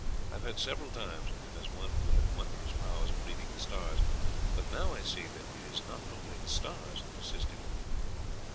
I have heard several times of him as one who had wondrous powers of reading the stars, but now I see that it is not only the stars that assist him."